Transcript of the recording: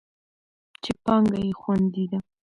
چې پانګه یې خوندي ده.